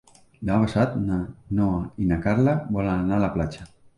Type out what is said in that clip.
Demà passat na Noa i na Carla volen anar a la platja.